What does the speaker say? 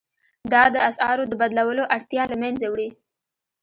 دا د اسعارو د بدلولو اړتیا له مینځه وړي.